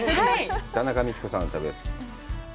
田中道子さんの旅です。